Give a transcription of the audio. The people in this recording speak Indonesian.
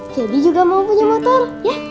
jadi juga mau punya motor